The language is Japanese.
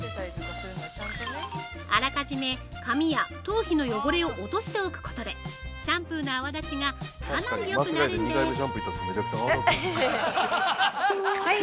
あらかじめ髪や頭皮の汚れを落としておくことでシャンプーの泡立ちがかなりよくなるんです！